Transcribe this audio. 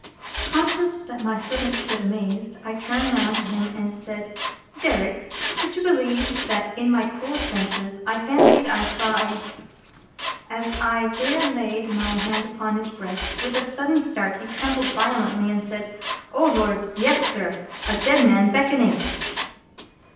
Conscious that my servant stood amazed, I turned round to him, and said: "Derrick, could you believe that in my cool senses I fancied I saw a —" As I there laid my hand upon his breast, with a sudden start he trembled violently, and said, "O Lord, yes, sir! A dead man beckoning!"